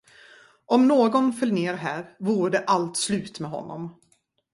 Om någon föll ner här, vore det allt slut med honom.